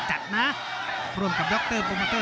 โหโหโหโหโหโหโหโห